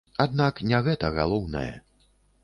Аднак не гэта галоўнае.